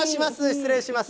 失礼します。